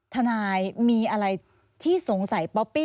ทนายมีอะไรที่สงสัยป๊อปปี้